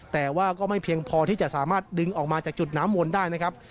แต่ว่าก็ไม่เพียงพอที่จะสามารถดึงออกมาจากจุดน้ำวนได้นะครับ